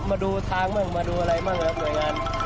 มาดูทางบ้างมาดูอะไรบ้างครับหน่วยงาน